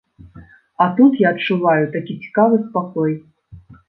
А тут я адчуваю такі цікавы спакой.